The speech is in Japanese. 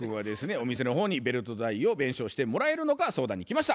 お店の方にベルト代を弁償してもらえるのか相談に来ました。